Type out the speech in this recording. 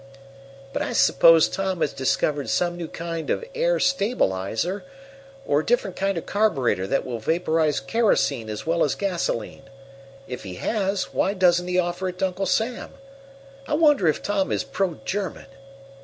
"But I suppose Tom has discovered some new kind of air stabilizer, or a different kind of carburetor that will vaporize kerosene as well as gasolene. If he has, why doesn't he offer it to Uncle Sam? I wonder if Tom is pro German?